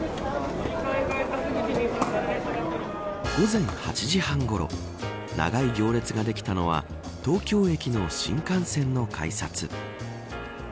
午前８時半ごろ長い行列ができたのは東京駅の新幹線の改札。